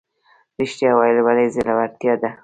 ریښتیا ویل ولې زړورتیا ده؟